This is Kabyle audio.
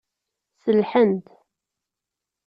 Sellḥent.